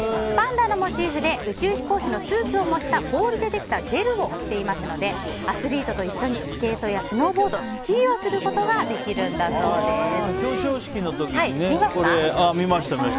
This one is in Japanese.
パンダのモチーフで宇宙飛行士のスーツを模した氷でできたシェルを着ていますのでアスリートと一緒にスケートやスノーボードスキーをすることができるんだそうです。